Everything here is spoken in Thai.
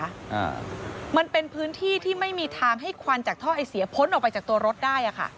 อ่ามันเป็นพื้นที่ที่ไม่มีทางให้ควันจากท่อไอเสียพ้นออกไปจากตัวรถได้อ่ะค่ะ